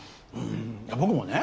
僕もね